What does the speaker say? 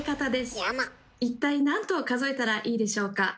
一体何と数えたらいいでしょうか？